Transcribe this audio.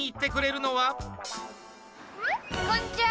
こんにちは。